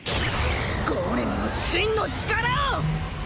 ゴーレムの真の力を！